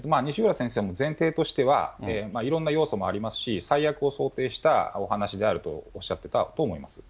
先生も前提としては、いろんな要素もありますし、最悪を想定したお話であるとおっしゃってたと思います。